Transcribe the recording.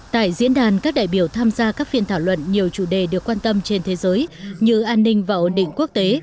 tại diễn đàn các đại biểu tham gia các phiên thảo luận nhiều chủ đề được quan tâm trên thế giới như an ninh và ổn định quốc tế